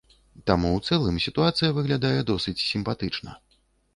Таму ў цэлым сітуацыя выглядае досыць сімпатычна.